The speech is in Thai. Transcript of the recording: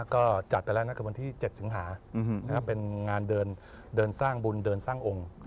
ก็จัดไปแล้วนะคือวันที่๗สิงหาเป็นงานเดินสร้างบุญเดินสร้างองค์